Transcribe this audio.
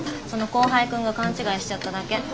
その後輩君が勘違いしちゃっただけ。